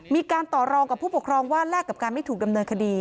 มีการต่อรองกับผู้ปกครองว่าแลกกับการไม่ถูกดำเนินคดี